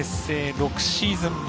６シーズン目。